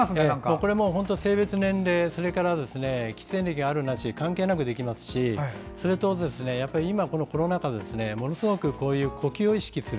これは性別や年齢喫煙歴のあるなし関係なくできますしそれと、今コロナ禍でものすごく呼吸を意識する。